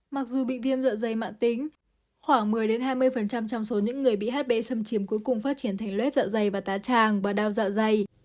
mặc dù bị viêm dạ dày mạng tính khoảng một mươi hai mươi trong số những người bị hb xâm chiếm cuối cùng phát triển thành luết dạ dày và tá tràng và đau dạ dày